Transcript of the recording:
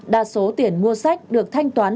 đa số tiền mua sách được thanh toán